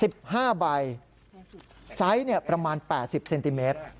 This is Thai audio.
๑๕ใบไซส์ประมาณ๘๐เซนติเมตร